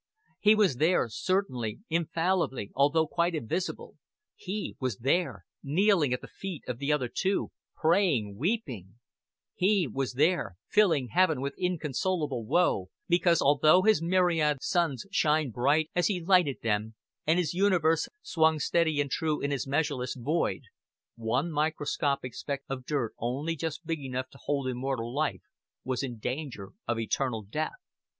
He was there, certainly, infallibly, although quite invisible He was there, kneeling at the feet of the other Two, praying, weeping: He was there, filling Heaven with inconsolable woe because, although His myriad suns shone bright as when He lighted them and His universe swung steady and true in His measureless void, one microscopic speck of dirt only just big enough to hold immortal life was in danger of eternal death.